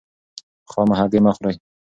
خامه هګۍ مه خورئ.